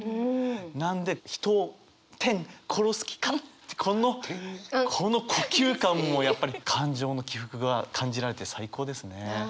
なんで「ひとを、殺す気か」ってこのこの呼吸感もやっぱり感情の起伏が感じられて最高ですね。